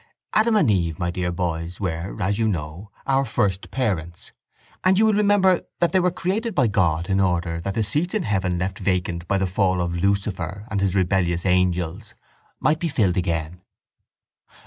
—Adam and Eve, my dear boys, were, as you know, our first parents, and you will remember that they were created by God in order that the seats in heaven left vacant by the fall of Lucifer and his rebellious angels might be filled again.